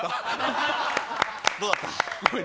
どうだった？